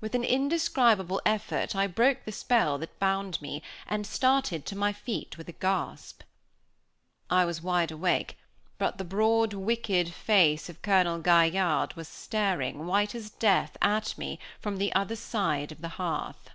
With an indescribable effort I broke the spell that bound me, and started to my feet with a gasp. I was wide awake, but the broad, wicked face of Colonel Gaillarde was staring, white as death, at me from the other side of the hearth.